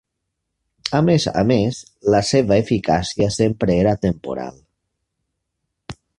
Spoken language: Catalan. A més a més, la seva eficàcia sempre era temporal.